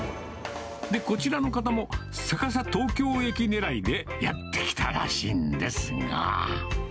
で、こちらの方も、逆さ東京駅ねらいでやって来たらしいんですが。